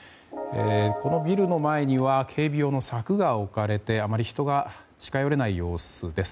このビルの前には警備用の柵が置かれてあまり人が近寄れない様子です。